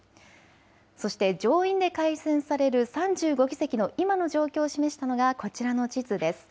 そして上院で改選される３５議席の今の状況を示したのがこちらの地図です。